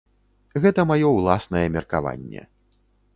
Гэта маё ўласнае меркаванне.